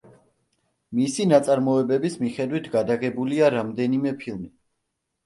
მისი ნაწარმოებების მიხედვით გადაღებულია რამდენიმე ფილმი.